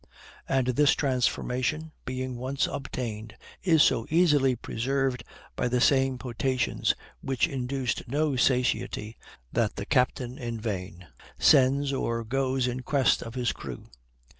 And this transformation, being once obtained, is so easily preserved by the same potations, which induced no satiety, that the captain in vain sends or goes in quest of his crew.